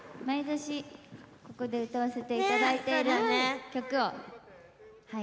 毎年、ここで歌わせていただいている曲を。